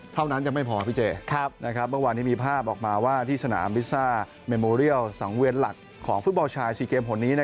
เท่านั้นจะไม่พอพี่เจ